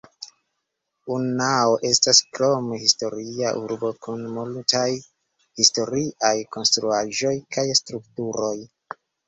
Unnao estas krome historia urbo kun multaj historiaj konstruaĵoj kaj strukturoj.